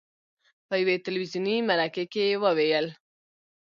په یوې تلویزوني مرکې کې وویل: